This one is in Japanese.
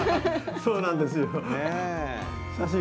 そうなんですよ。